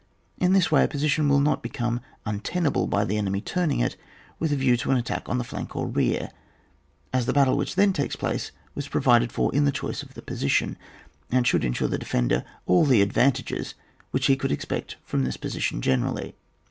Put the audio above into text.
In this way a position will not become untenable by the enemy turning it with a view to an attack on the flank or rear, as the battle which then takes place was pro vided for in the choice of the position, and should ensure the defender all the advantages which he could expect from this position generally.